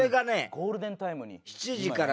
ゴールデンタイムに。